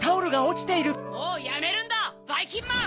もうやめるんだばいきんまん！